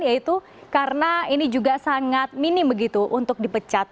yaitu karena ini juga sangat minim begitu untuk dipecat